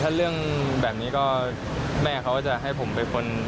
ถ้าเรื่องแบบนี้ก็แม่เขาจะให้ผมเป็นคน